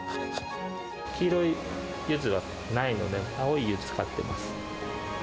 黄色いユズはないので、青いユズ使ってます。